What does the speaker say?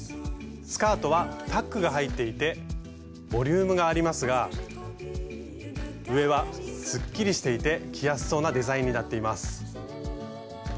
スカートはタックが入っていてボリュームがありますが上はすっきりしていて着やすそうなデザインになっています。